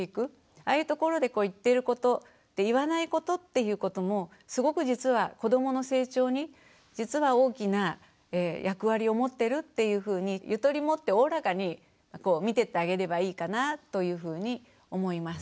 ああいうところで言ってること言わないことっていうこともすごく実は子どもの成長に実は大きな役割を持ってるっていうふうにゆとり持っておおらかに見てってあげればいいかなというふうに思います。